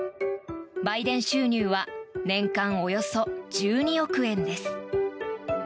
売電収入は年間およそ１２億円です。